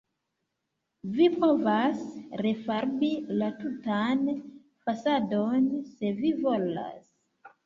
Vi povas refarbi la tutan fasadon, se vi volas.